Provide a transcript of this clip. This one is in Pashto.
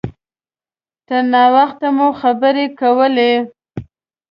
تر ناوخته مو خبرې کولې.